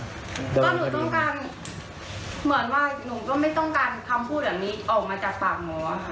ก็หนูต้องการเหมือนว่าหนูก็ไม่ต้องการคำพูดแบบนี้ออกมาจากปากหมอค่ะ